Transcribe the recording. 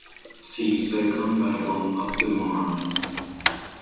See Second Battle of the Marne.